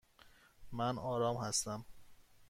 من آرام هستم.